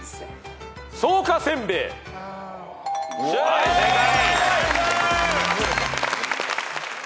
はい正解。